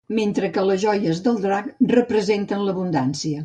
Mentre que les joies del drac representen l'abundància.